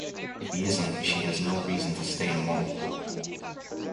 If he isn't, she has no reason to stay in Walford.